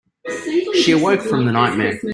She awoke from the nightmare.